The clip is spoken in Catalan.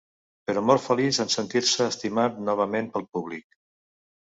Però mor feliç en sentir-se estimat novament pel públic.